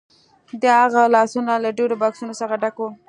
د هغه لاسونه له ډیرو بکسونو څخه ډک وو